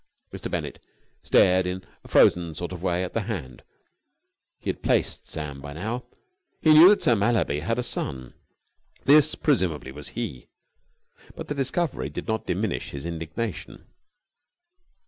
Mr. Bennett stared in a frozen sort of way at the hand. He had placed Sam by now. He knew that Sir Mallaby had a son. This, presumably, was he. But the discovery did not diminish his indignation.